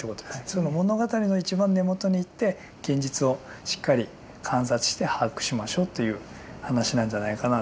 その物語の一番根元に行って現実をしっかり観察して把握しましょうという話なんじゃないかなというのはすごく。